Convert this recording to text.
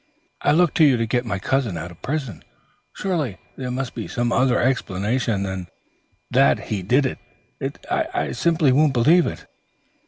"I look to you to get my cousin out of prison. Surely there must be some other explanation than that he did it. I simply won't believe it."